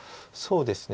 そうですね。